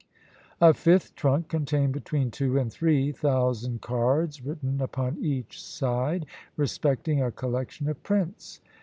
A fifth trunk contained between two and three thousand cards, written upon each side, respecting a collection of prints.